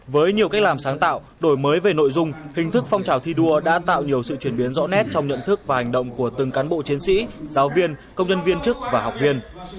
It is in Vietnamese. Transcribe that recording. với nhiều cách làm sáng tạo đổi mới về nội dung hình thức phong trào thi đua đã tạo nhiều sự chuyển biến rõ nét trong nhận thức và hành động của từng cán bộ chiến sĩ giáo viên công nhân viên chức và học viên